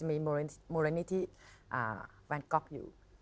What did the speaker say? มีมูลนิธิแวนก๊อกอยู่